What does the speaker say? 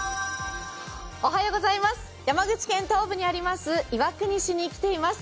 山口県東部にあります岩国市に来ています。